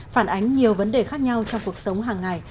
phản ánh nhiều vấn đề khác nhau trong cuộc sống hàng ngày